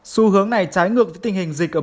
xu hướng này trái ngược với tình hình dịch ở